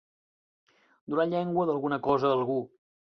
Donar llengua d'alguna cosa a algú.